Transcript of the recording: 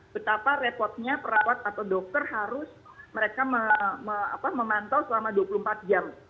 betapa repotnya perawat atau dokter harus mereka memantau selama dua puluh empat jam